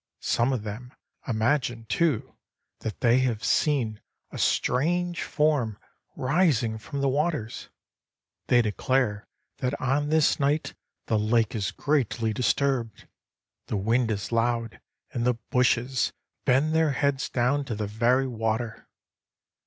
Some of them imagine, too, that they have seen a strange form rising from the waters. They declare that on this night the lake is greatly disturbed. The wind is loud, and the bushes bend their heads down to the very water.